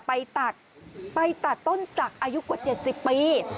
เพราะท่านไปตัดต้นสักอายุกว่า๗๐ปี